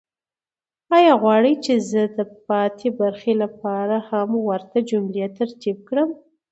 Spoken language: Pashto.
آیا غواړئ چې زه د پاتې برخې لپاره هم ورته جملې ترتیب کړم؟